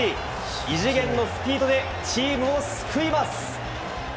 異次元のスピードでチームを救います。